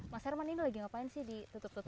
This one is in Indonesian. mas herman ini lagi ngapain sih ditutup tutup